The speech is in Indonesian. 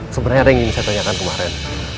sebenarnya ada yang ingin saya tanyakan kemarin